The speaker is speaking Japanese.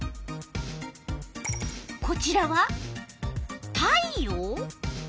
こちらは「太陽」？